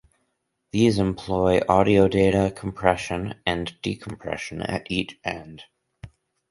These employ audio data compression and decompression at each end.